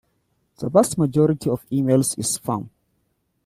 The vast majority of emails is Spam.